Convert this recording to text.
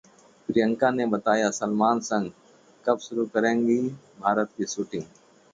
प्रियंका ने बताया सलमान संग कब शुरू करेंगी भारत की शूटिंग